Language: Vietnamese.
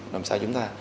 làm sao chúng ta